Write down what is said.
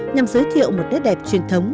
nhằm giới thiệu một nét đẹp truyền thống